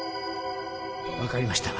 分かりました。